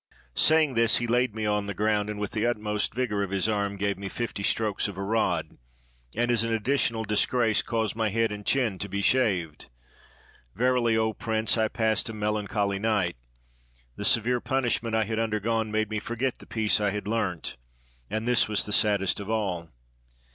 " Saying this, he laid me on the ground and, with the utmost vigor of his arm, gave me fifty strokes of a rod, and, as an additional disgrace, caused my head and chin to be shaved. Verily, O Prince, I passed a melancholy night. The severe punishment I had under gone made me forget the piece I had learnt, and this was the saddest of all.